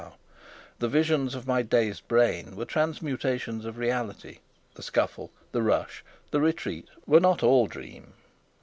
The visions of my dazed brain were transmutations of reality; the scuffle, the rush, the retreat were not all dream.